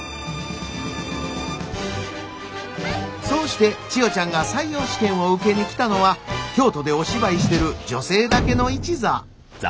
そうして千代ちゃんが採用試験を受けに来たのは京都でお芝居してる女性だけの一座。